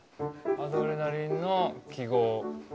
アドレナリンの記号。